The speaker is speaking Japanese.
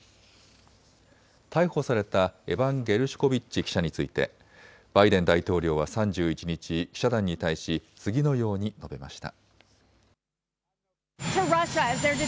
逮捕されたエバン・ゲルシュコビッチ記者についてバイデン大統領は３１日、記者団に対し次のように述べました。